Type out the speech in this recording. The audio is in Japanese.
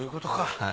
はい。